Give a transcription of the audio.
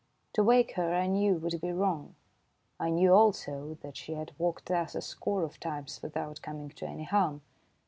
To wake her I knew would be wrong. I knew, also, that she had walked thus a score of times without coming to any harm.